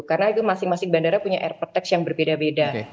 karena itu masing masing bandara punya airport tax yang berbeda beda